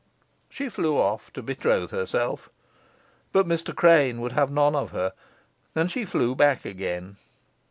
She flew off to betroth herself; but Mr. Crane would have none of her, and she flew back again.